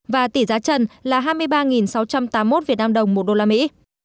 và tỷ giá trần là hai mươi ba sáu trăm tám mươi một việt nam đồng một đô la mỹ